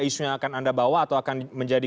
isu yang akan anda bawa atau akan menjadi